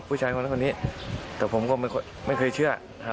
ก็เลยตามไปที่บ้านไม่พบตัวแล้วค่ะ